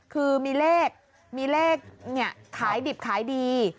คือมีเลขมีเลขขายดิบขายดี